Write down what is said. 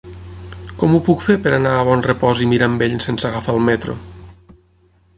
Com ho puc fer per anar a Bonrepòs i Mirambell sense agafar el metro?